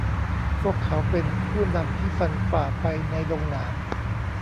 พวกเขาเป็นผู้นำที่ฟันผ่าไปในดงหนาม